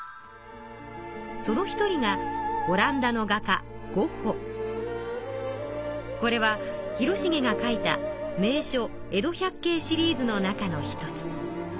その一人がオランダの画家これは広重が描いた「名所江戸百景」シリーズの中の一つ。